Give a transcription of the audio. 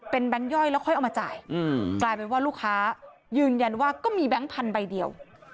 แก๊งย่อยแล้วค่อยเอามาจ่ายกลายเป็นว่าลูกค้ายืนยันว่าก็มีแบงค์พันธุ์ใบเดียว